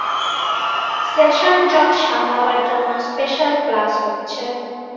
Session জট সামলাবার জন্যে স্পেশাল ক্লাস হচ্ছে।